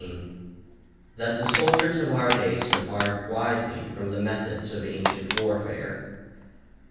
—_That the Soldiers of our days depart widely from the methods of ancient Warfare.